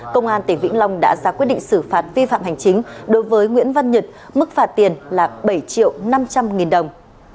công an tỉnh vĩnh long đã ra quyết định xử phạt vi phạm hành chính đối với nguyễn văn nhật mức phạt tiền là bảy triệu năm trăm linh nghìn đồng